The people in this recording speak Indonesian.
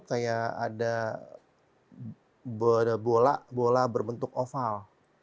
kayak ada bola bola berbentuk oval